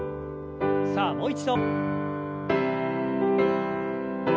さあもう一度。